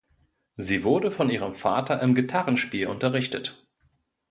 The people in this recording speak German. Sie wurde von ihrem Vater im Gitarrespiel unterrichtet.